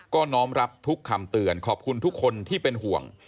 ก็น้อมรับทุกคำเตือนขอบคุณทุกคนที่เป็นห่วง